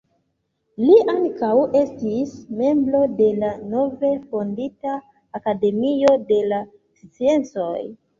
Li ankaŭ estis membro de la nove fondita Akademio de la sciencoj.